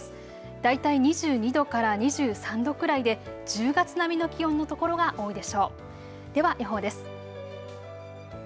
大体２２度から２３度くらいで１０月並みの気温の所が多いでしょう。